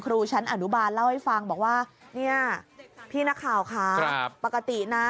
ครูชั้นอนุบาลเล่าให้ฟังบอกว่าเนี่ยพี่นักข่าวค่ะปกตินะ